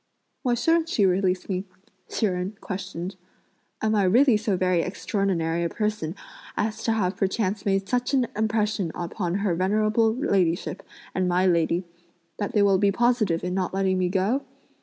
"Why shouldn't she release me?" Hsi Jen questioned. "Am I really so very extraordinary a person as to have perchance made such an impression upon her venerable ladyship and my lady that they will be positive in not letting me go?